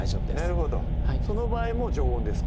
なるほどその場合も常温ですか？